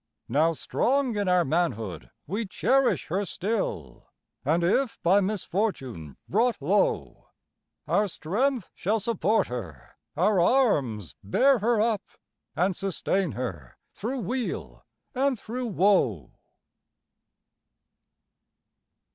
Now strong in our manhood we cherish her still; And if by misfortune brought low, Our strength shall support her, our arms bear her up, And sustain her through weal and through woe.